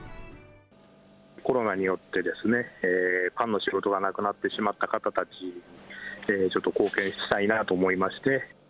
コロナによって、パンの仕事がなくなってしまった方たちに、ちょっと貢献したいなと思いまして。